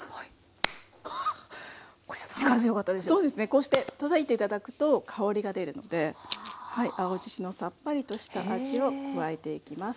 こうしてたたいて頂くと香りが出るので青じそのさっぱりとした味を加えていきます。